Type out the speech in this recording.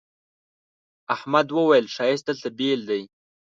احمد وويل: ښایست دلته بېل دی.